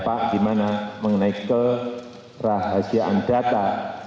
pak gimana mengenai kerahasiaan data